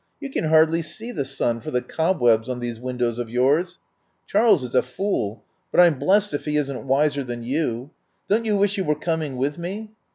You can hardly see the sun for the cobwebs on these windows of yours. Charles is a fool, but I'm blessed if he isn't wiser than you. Don't you wish you were coming with me?"